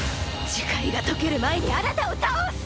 樹海が解ける前にあなたを倒す！